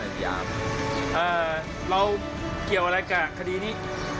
เราเกี่ยวอะไรกับคดีนี้